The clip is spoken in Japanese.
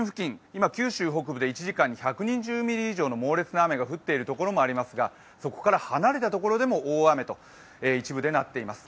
今九州北部で１時間に１２０ミリ以上の猛烈な雨が降っている所もありますがそこから離れた所でも大雨と一部でなっています。